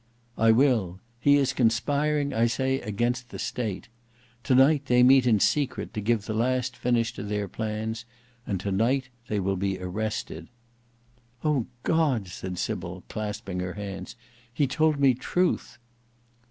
"I will. He is conspiring, I say, against the State. Tonight they meet in secret to give the last finish to their plans; and tonight they will be arrested." "O God!" said Sybil clasping her hands. "He told me truth."